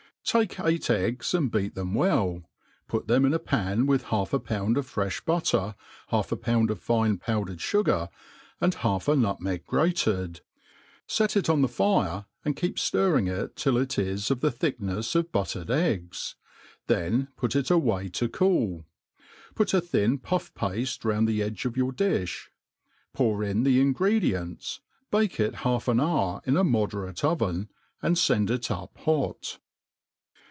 TAKE eight eggs, and beat them well ; put them in st pan with half a pound of frefli butter, half a pound of fine powdered fugar, and half a nutmeg grated ; Tet it on the flre^ and keep ftirring it til) it is of the thickhefs of buttered eggs ; then put it away to cool ; put a thin puiF pafte round the edge of your difh ; pour in the ingredients, bake it half an hoiK in a moderate oven, and fend it up hot.